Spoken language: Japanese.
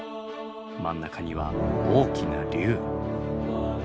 真ん中には大きな龍。